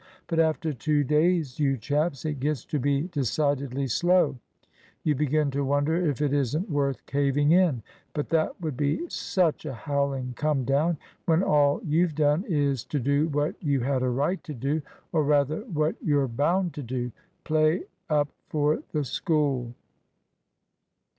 But after two days, you chaps, it gets to be decidedly slow; you begin to wonder if it isn't worth caving in. But that would be such a howling come down, when all you've done is to do what you had a right to do or rather what you're bound to do play up for the School."